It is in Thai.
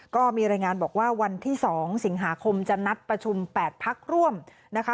ก็มีรายงานบอกว่าวันที่๒สิงหาคมจะนัดประชุม๘พักร่วมนะคะ